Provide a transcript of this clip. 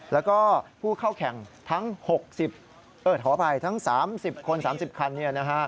แล้วก็ผู้เข้าแข่งทั้ง๓๐คน๓๐คัน